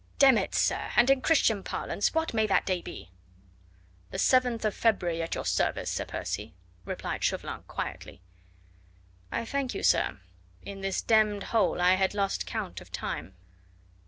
"Demn it, sir, and in Christian parlance what may that day be?" "The 7th of February at your service, Sir Percy," replied Chauvelin quietly. "I thank you, sir. In this d d hole I had lost count of time."